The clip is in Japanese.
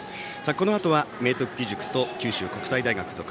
このあとは明徳義塾と九州国際大学付属。